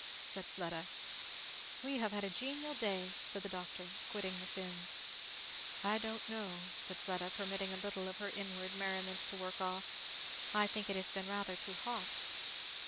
said Fleda. "We have had a genial day!" said the doctor, quitting the Finns. "I don't know," said Fleda, permitting a little of her inward merriment to work off, "I think it has been rather too hot."